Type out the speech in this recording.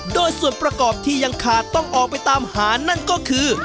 โดยส่วนประกอบที่ยังขาดต้องออกไปตามหานั่นก็คือ